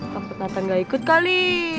takut nathan gak ikut kali